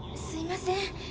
すいません。